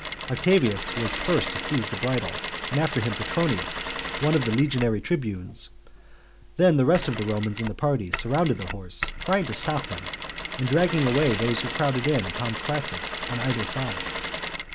Octavius was first to seize the bridle, and after him Petronius, one of the legionary tribunes ; then the rest of the Romans in the party surrounded the horse, trying to stop him, and dragging away those who crowded in upon Crassus on either side.